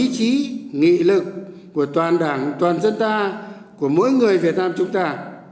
điều đó phụ thuộc vào ý chí nghị lực của toàn đảng toàn dân ta của mỗi người việt nam chúng ta